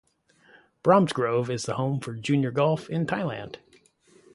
Bromsgrove is the home for junior golf in Thailand.